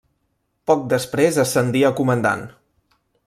Poc després ascendí a comandant.